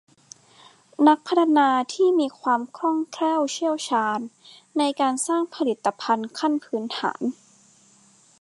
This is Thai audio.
นักพัฒนาที่มีความคล่องแคล่วเชี่ยวชาญในการสร้างผลิตภัณฑ์ขั้นพื้นฐาน